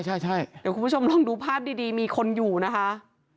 ใช่เดี๋ยวคุณผู้ชมลองดูภาพดีมีคนอยู่นะคะ